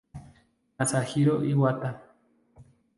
Masahiro Iwata